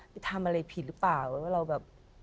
ไปทำอะไรผิดหรือเปล่าว่าเราแบบ